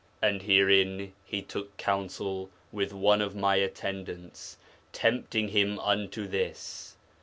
And herein he took counsel with one of my attendants, tempting him unto this....